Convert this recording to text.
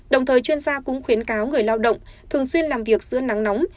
đồng thời chuyên gia cũng khuyến cáo người lao động thường xuyên làm việc giữa nắng nóng